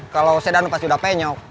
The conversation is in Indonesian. kalau sedan pasti udah penyok